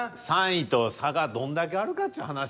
３位と差がどんだけあるかちゅう話じゃない？